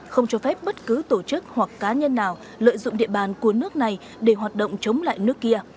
không cho phép bất cứ tổ chức hoặc cá nhân nào lợi dụng địa bàn của nước này để hoạt động chống lại nước kia